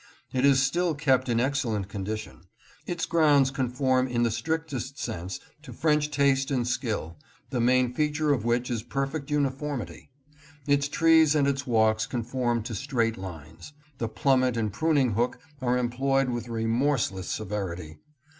It is still kept in excellent condition. Its grounds conform in the strictest sense to French taste and skill, the main feature of which is perfect uniformity. Its trees and its walks conform to straight lines. The plummet and pruning hook are employed with remorseless severity.